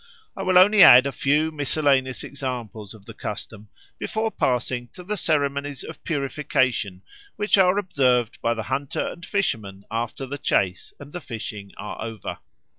I will only add a few miscellaneous examples of the custom before passing to the ceremonies of purification which are observed by the hunter and fisherman after the chase and the fishing are over.